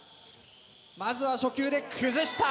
まずは初球で崩した。